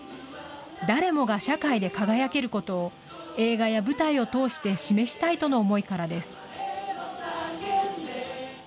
誰もが社会で輝けることを映画や舞台を通して示したいとの思いからです。